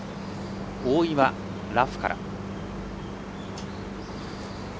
大岩、ラフから。